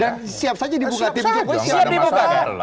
dan siap saja dibuka tim itu dong